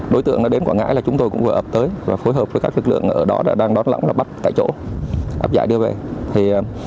đối tượng nó đến quảng ngãi là chúng tôi cũng vừa ập tới và phối hợp với các lực lượng ở đó đã đang đón lẫn là bắt tại chỗ ập giải đưa về